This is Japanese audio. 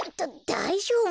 だいじょうぶ？